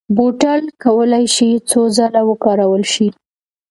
بوتل کولای شي څو ځله وکارول شي.